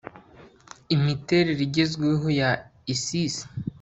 imiterere igezweho ya isis